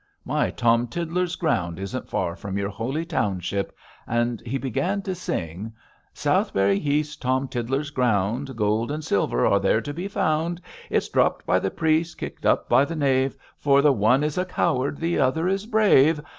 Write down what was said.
My Tom Tiddler's ground isn't far from your holy township,' and he began to sing, 'Southberry Heath's Tom Tiddler's ground, Gold and silver are there to be found. It's dropped by the priest, picked up by the knave, For the one is a coward, the other is brave.